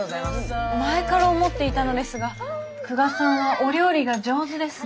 前から思っていたのですが久我さんはお料理が上手ですね。